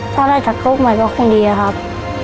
ถ้าได้ทักลูกใหม่ก็คงดีครับ